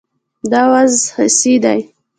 دا وز خسي دی